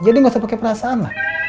jadi gak usah pakai perasaan lah